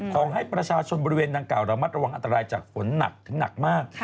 ขอให้ประชาชนบริเวณดังกล่าระมัดระวังอันตรายจากฝนหนักถึงหนักมาก